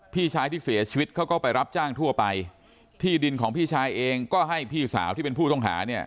พี่ชายที่เสียชีวิตเขาก็ไปรับจ้างทั่วไปที่ดินของพี่ชายเองก็ให้พี่สาวที่เป็นผู้ต้องหาเนี่ย